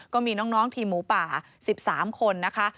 ก็มีน้องทีมหมูป่า๑๓คนนะคะ